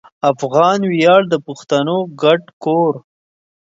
افغان ویاړ د پښتنو ګډ کور